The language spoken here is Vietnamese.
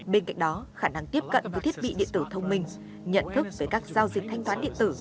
bên cạnh đó khả năng tiếp cận với thiết bị điện tử thông minh nhận thức về các giao dịch thanh toán điện tử